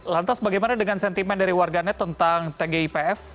lantas bagaimana dengan sentimen dari warganet tentang tgipf